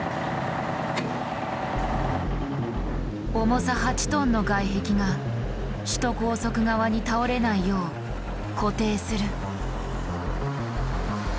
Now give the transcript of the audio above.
重さ８ｔの外壁が首都高速側に倒れないよう固定する。